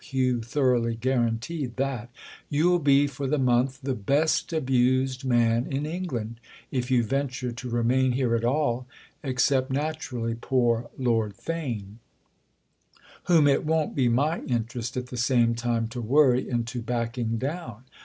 —Hugh thoroughly guaranteed that. "You'll be, for the month, the best abused man in England—if you venture to remain here at all; except, naturally, poor Lord Theign." "Whom it won't be my interest, at the same time, to worry into backing down."